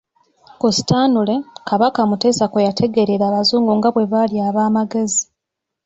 Ku Stanley, Kabaka Mutesa kwe yategeerera Abazungu nga bwe bali ab'amagezi.